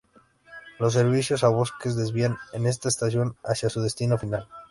Los servicios a Bosques desvían en esta estación hacia su destino final.